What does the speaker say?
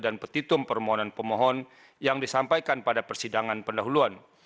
dan petitum permohonan pemohon yang disampaikan pada persidangan pendahuluan